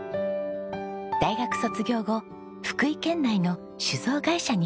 大学卒業後福井県内の酒造会社に就職しました。